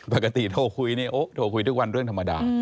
ปกติโทรคุยนี่โทรคุยทุกวันเรื่องธรรมดา